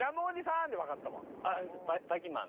あっばいきんまん。